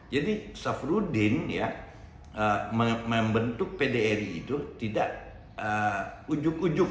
jadi safruddin membentuk pdri itu tidak ujug ujug